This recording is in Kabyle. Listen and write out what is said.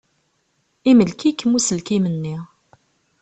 Imlek-ikem uselkim-nni.